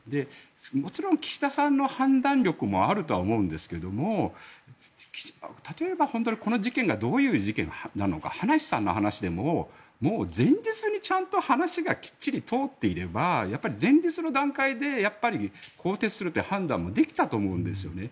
もちろん岸田さんの判断力もあるとは思うんですが例えば、この事件がどういう事件なのか葉梨さんの話でも前日にちゃんと話がきっちり通っていれば前日の段階で更迭するって判断もできたと思うんですよね。